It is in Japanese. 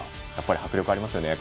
迫力ありますよね。